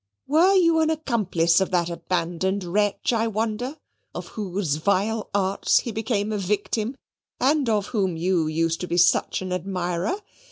Were you an accomplice of that abandoned wretch, I wonder, of whose vile arts he became a victim, and of whom you used to be such an admirer?